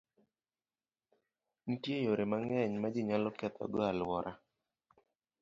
Nitie yore mang'eny ma ji nyalo ketho go alwora.